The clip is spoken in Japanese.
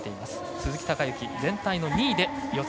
鈴木孝幸、全体の２位で予選